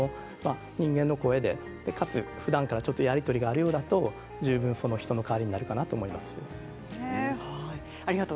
人間の声で、かつふだんからやり取りがあるようでしたら十分その人の代わりになると思います。